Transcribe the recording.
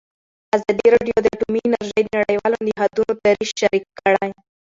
ازادي راډیو د اټومي انرژي د نړیوالو نهادونو دریځ شریک کړی.